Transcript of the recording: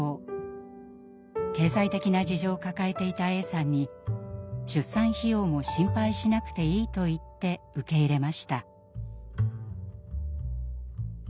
経済的な事情を抱えていたＡさんに出産費用も心配しなくていいと言って受け入れました。